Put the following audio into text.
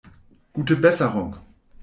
Gute Besserung!